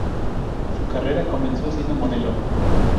Su carrera comenzó siendo modelo.